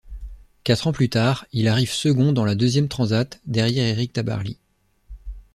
Quatre ans plus tard, il arrive second dans la deuxième transat, derrière Éric Tabarly.